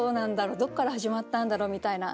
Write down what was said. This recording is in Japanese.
「どっから始まったんだろう」みたいな。